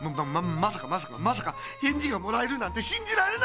まさかまさかまさかへんじがもらえるなんてしんじられないよ！